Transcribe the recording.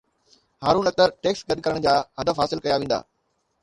Haroon Akhtar tax گڏ ڪرڻ جا هدف حاصل ڪيا ويندا